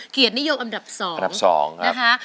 เขียนนิยมอันดับ๒นะคะ